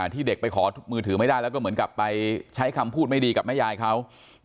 ที่เด็กไปขอมือถือไม่ได้แล้วก็เหมือนกับไปใช้คำพูดไม่ดีกับแม่ยายเขา